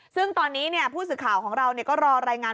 ซึ่งตอนนี้เนี่ยผู้สื่อข่าวของเราเนี่ยก็รอรายงาน